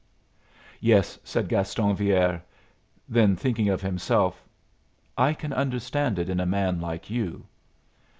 "Yes," said Gaston Villere. Then, thinking of himself, "I can understand it in a man like you."